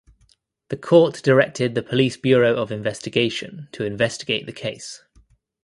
The court directed the Police Bureau of Investigation to investigate the case.